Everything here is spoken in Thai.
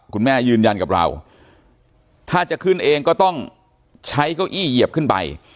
ยืนยันกับเราถ้าจะขึ้นเองก็ต้องใช้เก้าอี้เหยียบขึ้นไป